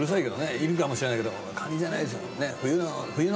いるかもしれないけどカニじゃないですよ。